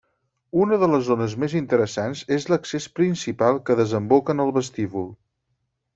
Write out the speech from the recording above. Una de les zones més interessants és l'accés principal que desemboca en el vestíbul.